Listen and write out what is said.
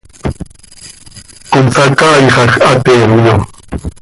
Consacaaixaj ha teemyo.